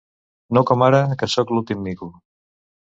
No com ara, que sóc l'últim mico.